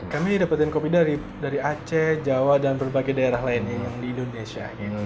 kami dapatkan kopi dari aceh jawa dan berbagai daerah lainnya yang di indonesia